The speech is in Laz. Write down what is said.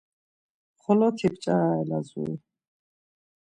Xoloti p̌ç̌arare Lazuri.